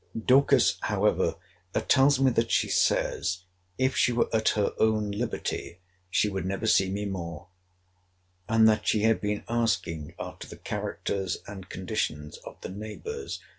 Dorcas, however, tells me that she says, if she were at her own liberty, she would never see me more; and that she had been asking after the characters and conditions of the neighbours.